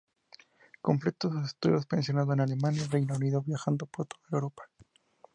Completó sus estudios, pensionado, en Alemania y el Reino Unido, viajando por toda Europa.